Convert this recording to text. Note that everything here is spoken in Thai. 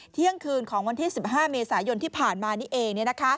เที่ยงคืนของวันที่๑๕เมษายนที่ผ่านมานี่เอง